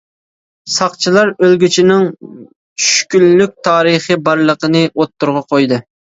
ساقچىلار ئۆلگۈچىنىڭ چۈشكۈنلۈك تارىخى بارلىقىنى ئوتتۇرىغا قويدى.